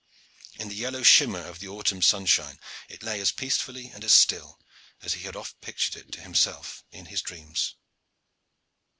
In the yellow shimmer of the autumn sunshine it lay as peacefully and as still as he had oft pictured it to himself in his dreams.